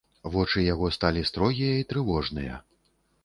Вочы яго сталі строгія і трывожныя.